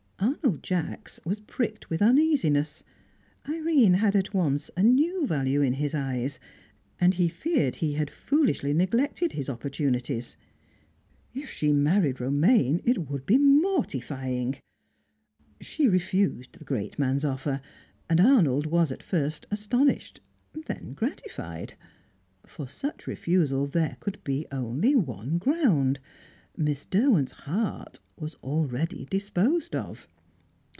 Arnold Jacks was pricked with uneasiness; Irene had at once a new value in his eyes, and he feared he had foolishly neglected his opportunities. If she married Romaine, it would be mortifying. She refused the great man's offer, and Arnold was at first astonished, then gratified. For such refusal there could be only one ground: Miss Derwent's "heart" was already disposed of.